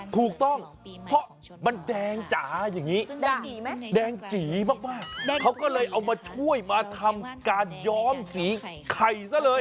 ถูกต้องเพราะมันแดงจ๋าอย่างนี้แดงจีมากเขาก็เลยเอามาช่วยมาทำการย้อมสีไข่ซะเลย